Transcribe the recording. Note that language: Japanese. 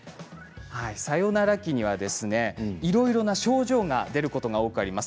サヨナラ期にはいろいろな症状が出ることが多くあります。